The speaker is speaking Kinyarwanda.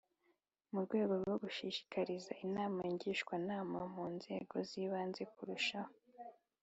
Mu rwego rwo gushishikariza Inama Ngishwanama mu Nzego z Ibanze kurushaho